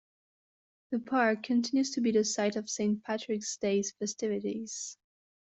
The park continues to be the site of Saint Patrick's Day festivities.